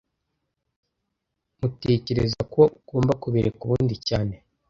Tmutekereza ko ugomba kubireba ubundi cyane